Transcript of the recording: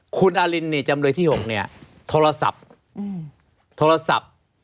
คุณอารินจำเลยที่๖เนี่ยโทรศัพท์